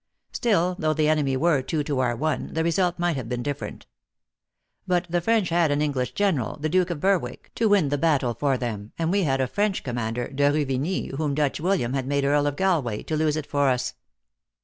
Still, though the enemy were two to our one, the result might have been differ ent. But the French had an English general, the Duke of Berwick, to win the battle for them, and THE ACTKESS IN HIGH LIFE. 285 we had a French commander, Deltuvigny, whom Dutch William had made Earl of Galway, to lose it for us."